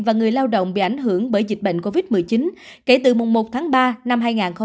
và người lao động bị ảnh hưởng bởi dịch bệnh covid một mươi chín kể từ mùng một tháng ba năm hai nghìn hai mươi